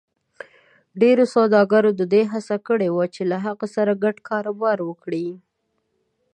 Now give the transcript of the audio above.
ډېرو سوداګرو د دې هڅه کړې وه چې له هغه سره ګډ کاروبار وکړي.